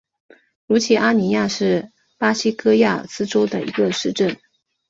卢齐阿尼亚是巴西戈亚斯州的一个市镇。